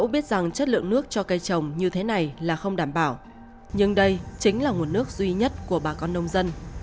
biết rằng chất lượng nước cho cây trồng như thế này là không đảm bảo nhưng đây chính là nguồn nước duy nhất của bà con nông dân